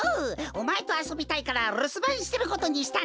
おまえとあそびたいからるすばんしてることにしたんだぜ！